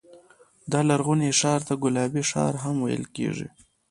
دا لرغونی ښار ته ګلابي ښار هم ویل کېږي.